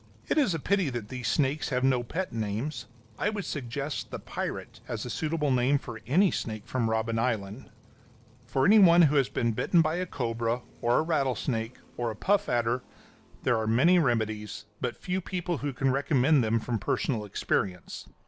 It is a pity that these snakes have no pet names. I would suggest The Pirate as a suitable name for any snake from Robben Island. [Illustration: OLD CLO'.] [Illustration: WELSHERS.] For anybody who has been bitten by a cobra, or a rattlesnake, or a puff adder, there are many remedies, but few people who can recommend them from personal experience.